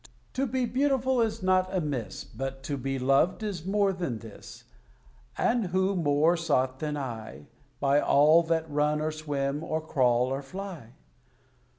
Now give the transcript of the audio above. To be beautiful is not amiss, But to be loved is more than this; And who more sought than I, By all that run or swim or crawl or fly?